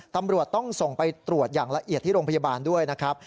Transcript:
ตำรวจต้องส่งไปตรวจอย่างละเอียดที่โรงพยาบาลด้วยนะครับ